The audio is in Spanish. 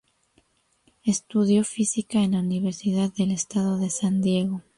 Estudió física en la Universidad del Estado de San Diego.